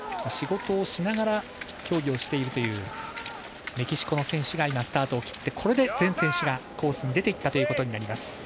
仕事をしながら競技をしているというメキシコの選手がスタートを切りこれで全選手がコースに出たことになります。